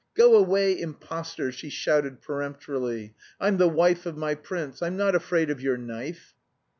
"Go away, impostor!" she shouted peremptorily. "I'm the wife of my prince; I'm not afraid of your knife!"